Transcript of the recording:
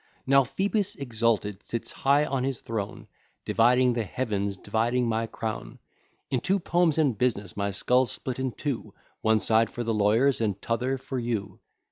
Now Phoebus exalted, sits high on his throne, Dividing the heav'ns, dividing my crown, Into poems and business, my skull's split in two, One side for the lawyers, and t'other for you.